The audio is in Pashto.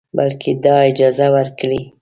بلکې دا اجازه ورکړئ